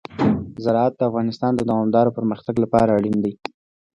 زراعت د افغانستان د دوامداره پرمختګ لپاره اړین دي.